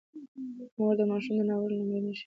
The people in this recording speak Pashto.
مور د ماشوم د ناروغۍ لومړنۍ نښې ويني.